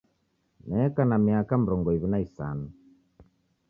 Neka na miaka mrongu iw'i na isanu